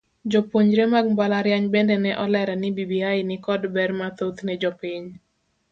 Jopuonjre mag mbalariany bende ne olero ni bbi nikod ber mathoth ne jopiny.